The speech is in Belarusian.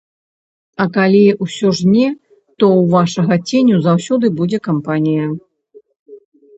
А калі ўсё ж не, то ў вашага ценю заўсёды будзе кампанія.